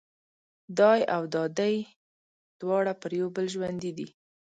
دای او دادۍ دواړه پر یو بل ژوندي دي.